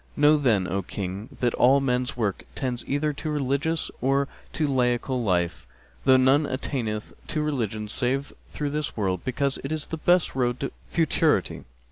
Know then, O King, that all men's works tend either to religious or to laical life, for none attaineth to religion save through this world, because it is the best road to futurity.